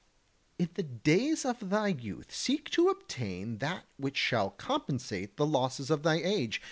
In the days of thy youth seek to obtain that which shall compensate the losses of thy old age.